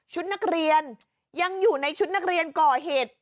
นักเรียนยังอยู่ในชุดนักเรียนก่อเหตุ